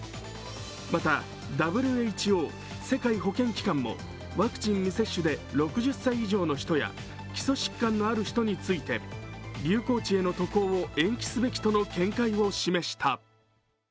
また、ＷＨＯ＝世界保健機関もワクチン未接種で６０歳以上の人や、基礎疾患のある人について流行地への渡航を延期すべきとの見解を示した。